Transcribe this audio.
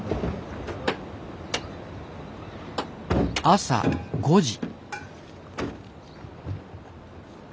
朝５時。